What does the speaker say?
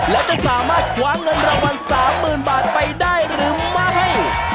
และจะสามารถคว้าเงินรางวัล๓๐๐๐บาทไปได้หรือไม่